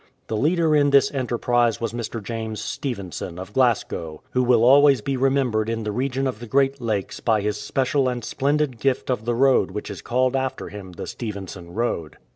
The leader in this enterprise was Mr. James Stevenson, of Glasgow, who will always be remembered in the region of the great lakes by his special and splendid gift of the road which is called after him the Stevenson Road.